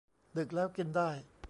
ดึกแล้วกินได้